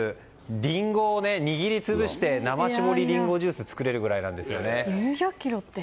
リンゴを握り潰して生搾りリンゴジュースを作れるぐらいなんですね。